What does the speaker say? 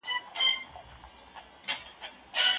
لیکوال د عادتونو لپاره ښه وړاندیزونه لري.